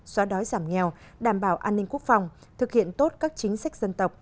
xóa đói giảm nghèo đảm bảo an ninh quốc phòng thực hiện tốt các chính sách dân tộc